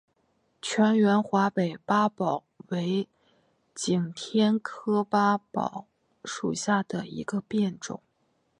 全缘华北八宝为景天科八宝属下的一个变种。